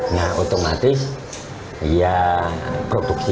nah otomatis ya produksi